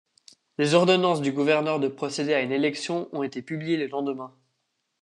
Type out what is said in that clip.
Les ordonnances du gouverneur de procéder à une élection ont été publiées le lendemain.